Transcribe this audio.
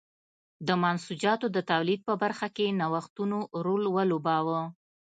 د منسوجاتو د تولید په برخه کې نوښتونو رول ولوباوه.